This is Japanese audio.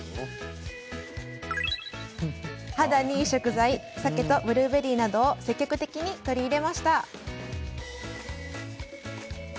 肌にいい食材さけとブルーベリーなどを積極的に取り入れました。